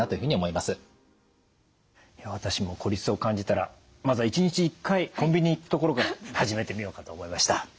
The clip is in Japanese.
いや私も孤立を感じたらまずは１日１回コンビニに行くところから始めてみようかと思いました。